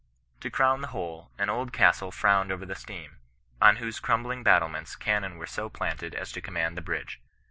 To crown the whole, an old castle frowned over the stream, on whose crumbling battlements cannon were so planted as to command the bridge.